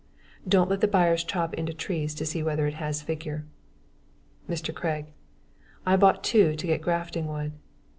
Don't let the buyers chop into the tree to see whether it has figure. MR. CRAIG: I bought two to get grafting wood.